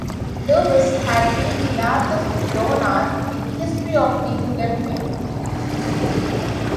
Lewis had been the largest donor in the history of the Guggenheim.